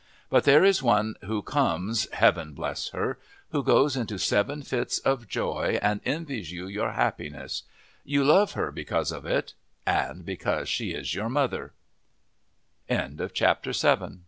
But there is one who comes Heaven bless her! who goes into seven fits of joy and envies you your happiness. You love her because of it and because she is your mother. EIGHTH PERIOD The real enjoyment of home comes